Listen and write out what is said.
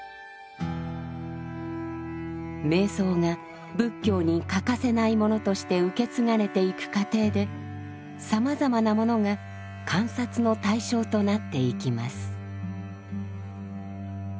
瞑想が仏教に欠かせないものとして受け継がれていく過程でさまざまなものが観察の対象となっていきます。